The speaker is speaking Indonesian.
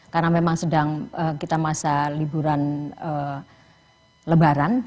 karena memang sedang kita masa liburan lebaran